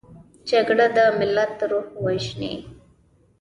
جګړه د ملت روح وژني